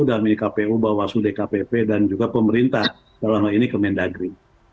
dan pkpu bawaslu dkpp dan juga pemerintah selama ini ke mendagri